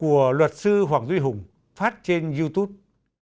của luật sư hoàng duy hùng phát trên youtube